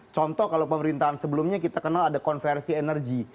contoh kalau pemerintahan sebelumnya kita kenal ada konversi energi